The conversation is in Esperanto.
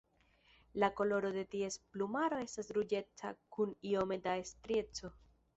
La koloro de ties plumaro estas ruĝeca kun iome da strieco.